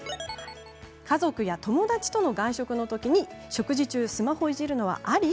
家族や友達との外食のときに食事中にスマホをいじるのはあり？